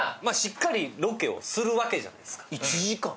まあしっかりロケをするわけじゃないですか・